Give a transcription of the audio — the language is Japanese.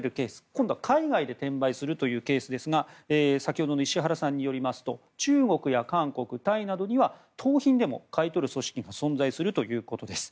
今度は海外で転売するというケースですが先ほどの石原さんによりますと中国や韓国、タイなどには盗品でも買い取る組織が存在するということです。